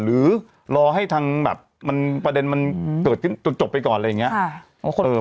หรือรอให้ทางแบบมันประเด็นมันเกิดขึ้นจนจบไปก่อนอะไรอย่างนี้